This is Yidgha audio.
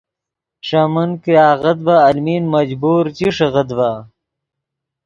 ݰے من کہ آغت ڤے المین مجبور چی ݰیغیت ڤے